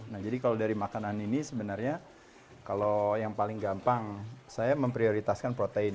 nah jadi kalau dari makanan ini sebenarnya kalau yang paling gampang saya memprioritaskan protein